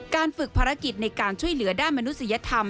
ฝึกภารกิจในการช่วยเหลือด้านมนุษยธรรม